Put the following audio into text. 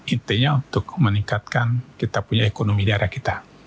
intinya untuk meningkatkan kita punya ekonomi daerah kita